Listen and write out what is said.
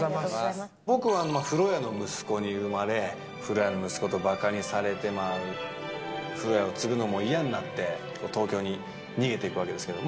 僕は風呂屋の息子に生まれ、風呂屋の息子とばかにされて、風呂屋を継ぐのも嫌になって、東京に逃げていくわけですけれども。